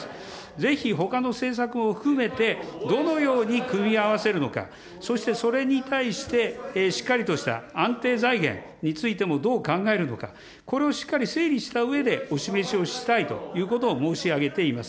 ぜひほかの政策も含めて、どのように組み合わせるのか、そしてそれに対して、しっかりとした安定財源についてもどう考えるのか、これをしっかり整理したうえで、お示しをしたいということを申し上げています。